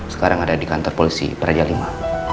sekarang ada di kantor polisi peraja lima